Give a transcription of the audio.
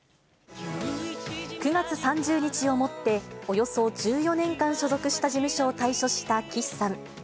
９月３０日をもって、およそ１４年間所属した事務所を退所した岸さん。